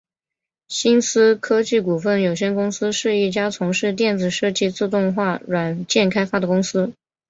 新思科技股份有限公司是一家从事电子设计自动化软件开发的公司。